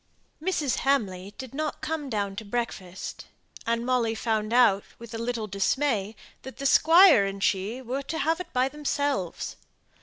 Mrs. Hamley did not come down to breakfast; and Molly found out with a little dismay, that the Squire and she were to have it by themselves.